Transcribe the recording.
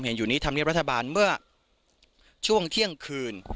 เห็นอยู่นี้ธรรมเนียบรัฐบาลเมื่อช่วงเที่ยงคืน